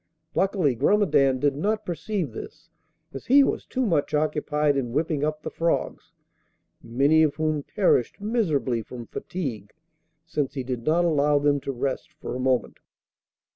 Luckily Grumedan did not perceive this, as he was too much occupied in whipping up the frogs, many of whom perished miserably from fatigue, since he did not allow them to rest for a moment.